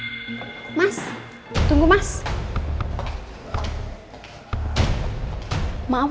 supaya gua bisa menghapus jejak gua ketika gua merusak rem mobil di nuwaga itu